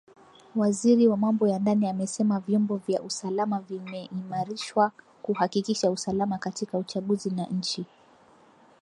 Waziri wa Mambo ya Ndani amesema vyombo vya usalama vimeimarishwa kuhakikisha usalama katika uchaguzi na nchi.